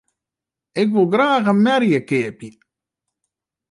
Ik woe graach in merje keapje.